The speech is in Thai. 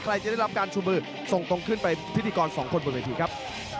จะได้รับการชูมือส่งตรงขึ้นไปพิธีกรสองคนบนเวทีครับ